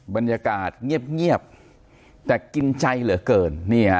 บรรยากาศเงียบแต่กินใจเหลือเกิน